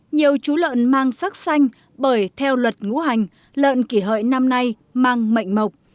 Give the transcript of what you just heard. nhiều chú lợn mang sắc xanh bởi theo luật ngũ hành lợn kỳ hợi năm nay mang mạnh mộc